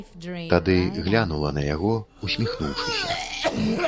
Тады глянула на яго, усміхнуўшыся.